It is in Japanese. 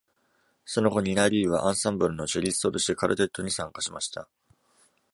その後、ニナ・リーはアンサンブルのチェリストとしてカルテットに参加しました。